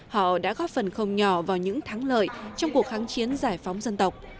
họ đã góp phần không nhỏ vào những thắng lợi trong cuộc kháng chiến giải phóng dân tộc